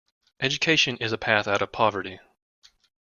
Education is a path out of poverty.